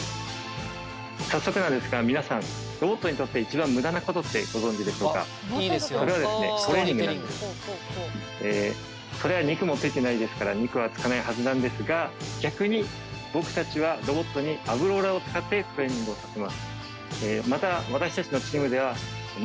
早速なんですが皆さんえそれは肉もついてないですから肉はつかないはずなんですが逆に僕たちはロボットにアブローラーを使ってトレーニングをさせます。